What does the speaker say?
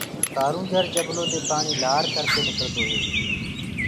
ڪآرونجھر جبلو دي پآڻي لآر ڪر ڪي نِڪݪدو هي۔